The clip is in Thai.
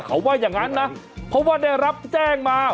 เขาว่าอย่างนั้นนะเพราะว่าได้รับแจ้งมา